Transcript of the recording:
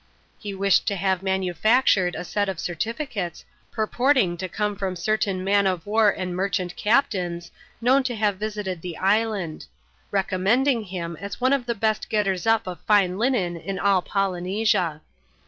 He wished to have manufactured a set of certificates, purport ing to come from certain man of war and merchant captains, known to have visited the island ; recommending him as one of the best getters up of fine linen in all Polynesia.